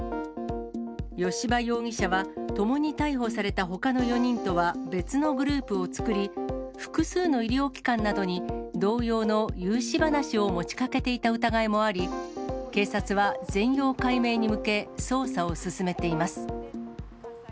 吉羽容疑者はともに逮捕されたほかの４人とは別のグループを作り、複数の医療機関などに同様の融資話を持ちかけていた疑いもあり、警察は全容解明に向け、捜査を進めています。